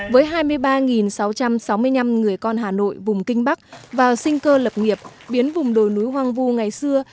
với hai mươi ba sáu trăm sáu mươi năm người con hà nội vùng kinh bắc vào sinh cơ lập nghiệp biến vùng đồi núi hoang vu ngày xưa